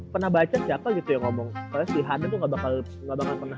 pernah baca siapa gitu yang ngomong gitu ya